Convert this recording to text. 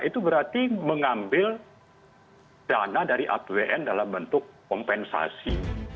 itu berarti mengambil dana dari apbn dalam bentuk kompensasi